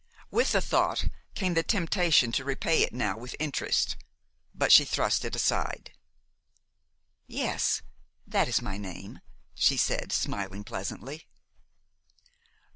With the thought came the temptation to repay it now with interest; but she thrust it aside. "Yes, that is my name," she said, smiling pleasantly.